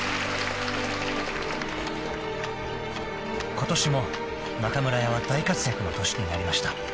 ［ことしも中村屋は大活躍の年になりました］